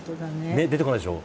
ねっ出てこないでしょ？